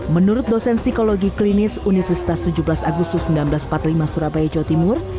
menurut dosen psikologi klinis universitas tujuh belas agustus seribu sembilan ratus empat puluh lima surabaya jawa timur